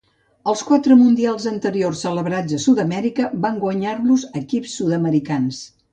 Els quatre mundials anteriors celebrats a Sud-amèrica van guanyar-los equips sud-americans.